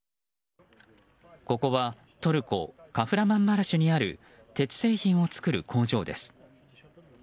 ここは、トルコ・カフラマンマラシュにある鉄製品を作る工場です。